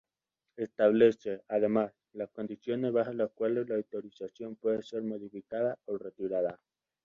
Establece, además, las condiciones bajo las cuales la autorización puede ser modificada o retirada.